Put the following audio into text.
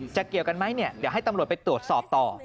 เกี่ยวกันไหมเนี่ยเดี๋ยวให้ตำรวจไปตรวจสอบต่อ